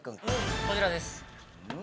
こちらです。